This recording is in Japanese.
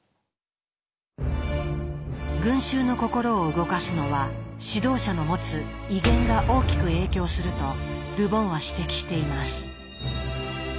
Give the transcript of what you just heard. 群衆の心を動かすのは指導者の持つ「威厳」が大きく影響するとル・ボンは指摘しています。